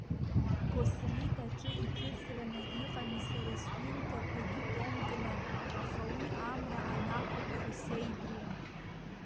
Гослит аҿы иҭыҵран иҟами сара сҩымҭақәагьы томкны, аха уи амра анақәыԥхо сеидру!